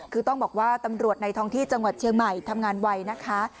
คือต้องบอกว่าตำรวจในท้องที่จังหวัดเชียงใหม่ทำงานไวนะคะ